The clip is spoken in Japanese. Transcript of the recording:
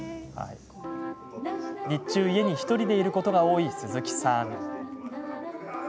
日中、家に１人でいることが多い鈴木さん。